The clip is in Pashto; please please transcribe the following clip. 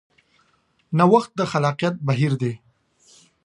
نوښت د خلاقیت بهیر دی.